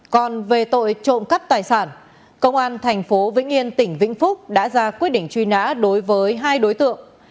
còn về tội trộm cắp tài sản công an thành phố vĩnh yên tỉnh vĩnh phúc đã ra quyết định truy nã đối với hai đối tượng